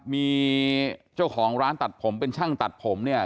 มีเจ้าของร้านตัดผมเป็นช่างตัดผมเนี่ย